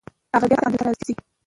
هغه بیرته اندلس ته راځي.